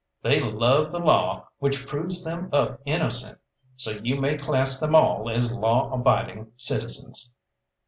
They love the law which proves them up innocent, so you may class them all as law abiding citizens.